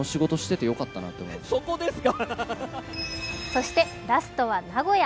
そしてラストは名古屋。